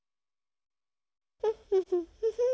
フフフフフン。